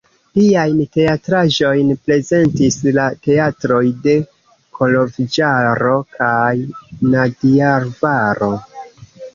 Liajn teatraĵojn prezentis la teatroj de Koloĵvaro kaj Nadjvarado.